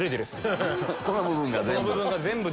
この部分が全部。